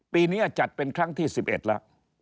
ปีนี้จัดเป็นครั้งที่๑๑แล้ว